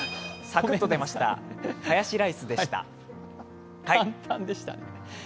サクッと出ました、ハヤシライスでした。